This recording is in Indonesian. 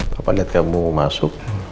papa lihat kamu masuk